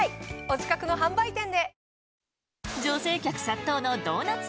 お近くの販売店で！